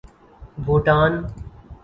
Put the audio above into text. Bhutan